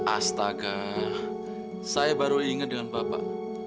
astaga saya baru ingat dengan bapak